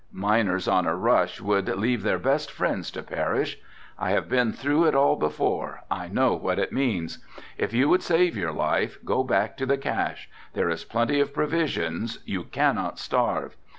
Miners on a rush would leave their best friends to perish. I have been through it before, I know what it means. If you would save your life go back to the cache. There is plenty of provisions, you cannot starve.